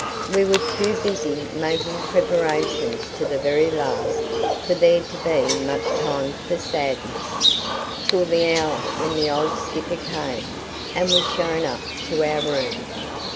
We were too busy making preparations to the very last for there to be much time for sadness, till the hour when the old skipper came, and was shown up to our room.